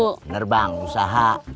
bener bang usaha